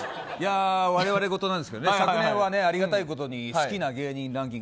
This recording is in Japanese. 我々事なんですけど昨年はありがたいことに好きな芸人ランキング